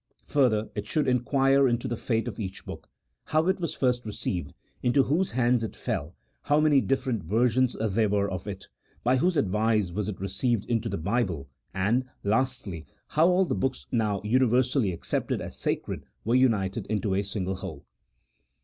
Further, it should inquire into the fate of each book : how it was first received, into whose hands it fell, how many different ver sions there were of it, by whose advice was it received into the Bible, and, lastly, how all the books now universally accepted as sacred, were united into a single whole.